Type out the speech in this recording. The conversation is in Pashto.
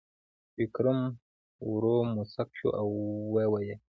ویکرم ورو موسک شو او وویل: